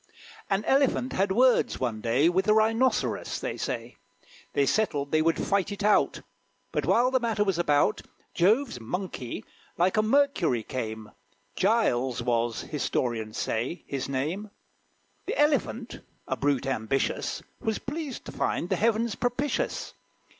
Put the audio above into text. An Elephant had words, one day, With a Rhinoceros, they say. They settled they would fight it out. But, while the matter was about, Jove's Monkey, like a Mercury, came: Giles was, historians say, his name. The Elephant, a brute ambitious, Was pleased to find the heaven propitious.